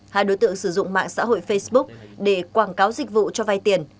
hai đối tượng sử dụng mạng xã hội facebook để quảng cáo dịch vụ cho vay tiền